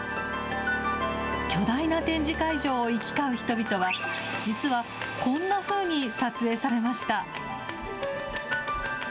巨大な展示会場を行き交う人々は、実はこんなふうに撮影されました。